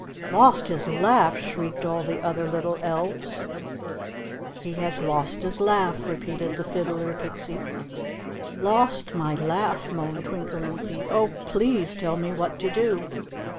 "Lost his laugh!" shrieked all the other little elfs. "He has lost his laugh!" repeated the Fiddler Pixie. "Lost my laugh," moaned Twinkling Feet. "Oh, please tell me what to do."